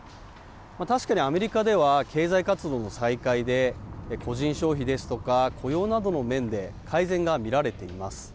確かにアメリカでは、経済活動の再開で、個人消費ですとか雇用などの面で改善が見られています。